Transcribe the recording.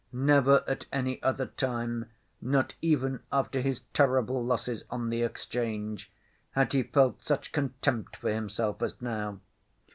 Never at any other time, not even after his terrible losses on the Exchange, had he felt such contempt for himself as now.